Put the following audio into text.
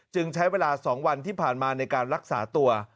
ใช้เวลา๒วันที่ผ่านมาในการรักษาตัว